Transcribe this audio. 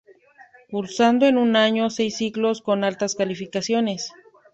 Cursando en un año seis ciclos con altas calificaciones.